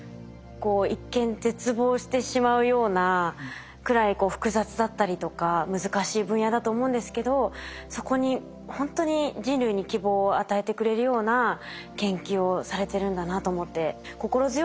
こう一見絶望してしまうようなくらい複雑だったりとか難しい分野だと思うんですけどそこにほんとに人類に希望を与えてくれるような研究をされてるんだなと思って心強いって感じました。